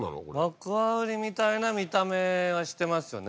マクワウリみたいな見た目はしてますよね。